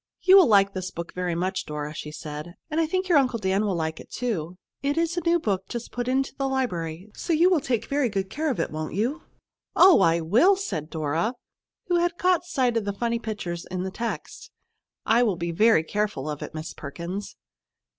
"You will like this book very much, Dora," she said. "And I think your Uncle Dan will like it, too. It is a new book, just put into the library, so you will take very good care of it, won't you?" "Oh, I will!" said Dora, who had caught sight of the funny pictures in the text. "I will be very careful of it, Miss Perkins."